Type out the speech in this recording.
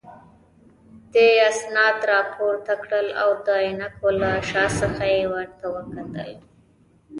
دې اسناد راپورته کړل او د عینکو له شا څخه یې ورته وکتل.